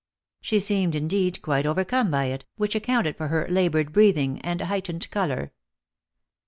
She seemed, indeed, quite overcome by it, which accounted for her labored breathing and heightened color.